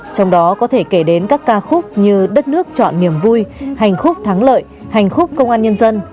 trong đó có thể kể đến các ca khúc như đất nước chọn niềm vui hành khúc thắng lợi hành khúc công an nhân dân